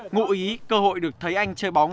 ngụ ý cơ hội được thấy anh chơi bóng